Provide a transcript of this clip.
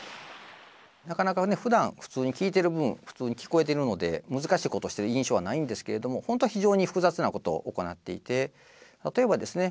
なかなかねふだん普通に聞いてる分普通に聞こえてるので難しいことしてる印象はないんですけれども本当は非常に複雑なことを行っていて例えばですね